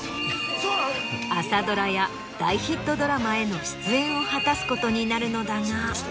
朝ドラや大ヒットドラマへの出演を果たすことになるのだが。